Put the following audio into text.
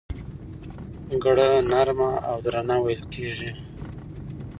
ګړه نرمه او درنه وېل کېږي.